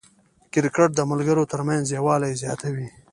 کرکټ د ملګرو ترمنځ یووالی زیاتوي.